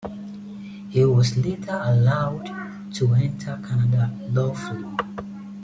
He was later allowed to enter Canada lawfully.